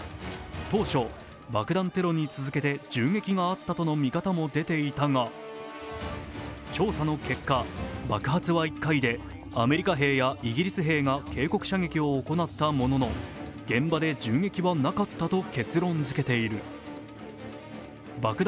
当初、爆弾テロに続けて銃撃があったとの見方も出ていたが調査の結果、爆発は１回でアメリカ兵やイギリス兵が警告射撃を行ったものの現場で銃撃はなかったと結論づけているす。